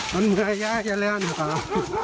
มันมือแย่แย่แล้วเนี่ยครับ